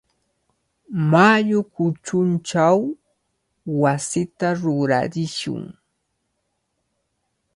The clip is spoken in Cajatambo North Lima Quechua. Mayu kuchunchaw wasita rurarishun.